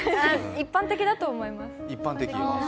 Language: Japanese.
一般的だと思います。